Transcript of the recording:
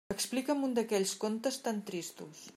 Explica'm un d'aquells contes tan tristos!